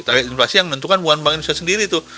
target inflasi yang menentukan bukan bank indonesia sendiri tuh